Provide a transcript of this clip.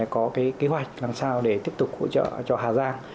có cái kế hoạch làm sao để tiếp tục hỗ trợ cho hà giang